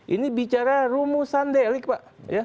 ini bicara rumusan delik pak